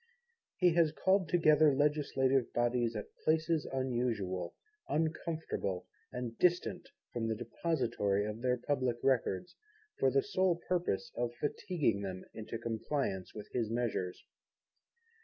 He has called together legislative bodies at places unusual, uncomfortable, and distant from the depository of their Public Records, for the sole purpose of fatiguing them into compliance with his measures.